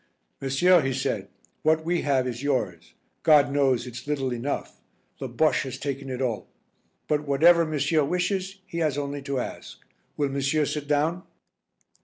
"Monsieur," he said, "what we have is yours. God knows it's little enough the Bosche has taken it all. But whatever monsieur wishes he has only to ask. Will monsieur sit down?"